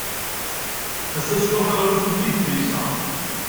Ass-a, swiɣ taɣlust nnig tlisa.